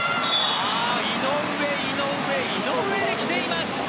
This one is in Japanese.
井上、井上、井上で来ています！